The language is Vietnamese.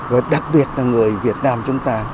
và đặc biệt là người việt nam chúng ta